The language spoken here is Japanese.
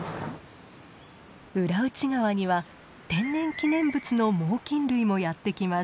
浦内川には天然記念物の猛きん類もやって来ます。